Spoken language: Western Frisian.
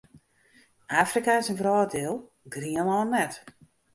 Afrika is in wrâlddiel, Grienlân net.